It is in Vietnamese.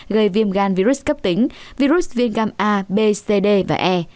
gây viêm gan virus cấp tính virus viên gam a b c d và e